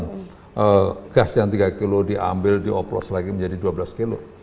tidak ada gas yang tiga kg diambil dioplos lagi menjadi dua belas kg